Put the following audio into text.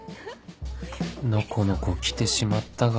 のこのこ来てしまったが